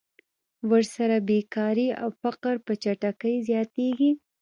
ورسره بېکاري او فقر هم په چټکۍ زیاتېږي